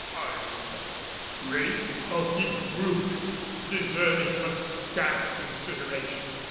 I was a great hulking brute, deserving but scant consideration.